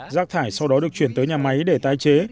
rác thải sau đó được chuyển tới nhà máy để tái chế